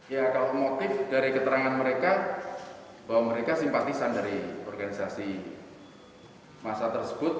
ya kalau motif dari keterangan mereka bahwa mereka simpatisan dari organisasi masa tersebut